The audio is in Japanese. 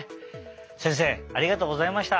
せんせいありがとうございました。